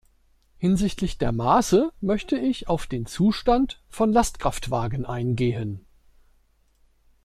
Hinsichtlich der Maße möchte ich auf den Zustand von Lastkraftwagen eingehen.